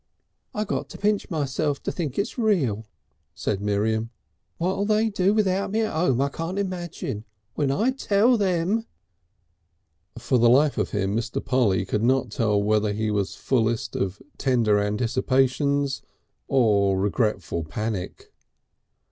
"I got to pinch myself to think it's real," said Miriam. "What they'll do without me at 'ome I can't imagine. When I tell them " For the life of him Mr. Polly could not tell whether he was fullest of tender anticipations or regretful panic.